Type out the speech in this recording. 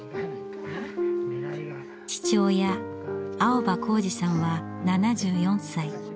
父親青葉幸次さんは７４歳。